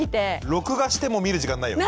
録画しても見る時間ないよね。